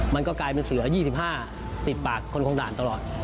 มันก็กลายเป็นเสือ๒๕ติดปากคนคงด่านตลอด